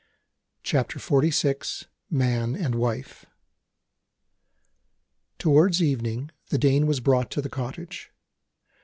CHAPTER XLVI MAN AND WIFE TOWARDS evening, the Dane was brought to the cottage.